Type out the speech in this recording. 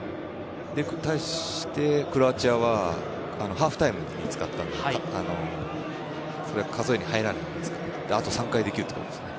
対して、クロアチアはハーフタイムで使ったのでそれは数えに入らないですからあと３回できるということですね。